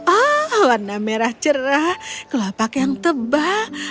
oh warna merah cerah kelapak yang tebal